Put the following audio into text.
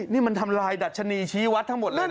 นี่มันทำลายดัชนีชี้วัดทั้งหมดเลยนะ